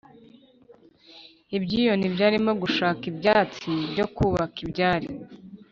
ibyiyoni byarimo gushaka ibyatsi byo kubaka ibyari.